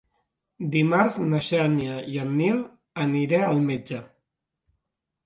Dimarts na Xènia i en Nil aniré al metge.